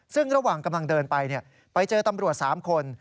ซึ่งระหว่างกำลังเดินไปไปเจอตำรวจ๓คน